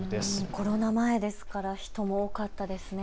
コロナ前ですから人も多かったですね。